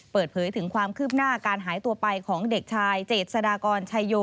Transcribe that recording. เปิดเผยถึงความคืบหน้าการหายตัวไปของเด็กชายเจษฎากรชายโย